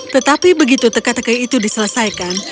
tetapi begitu teka teka itu diselesaikan